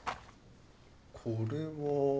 これは。